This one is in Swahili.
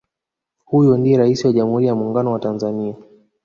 Huyo ndiye Rais wa jamhuri ya Muungano wa Tanzania